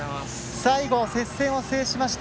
最後、接戦を制しました。